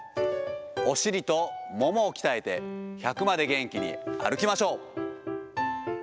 お尻とももを鍛えて１００まで元気に歩きましょう。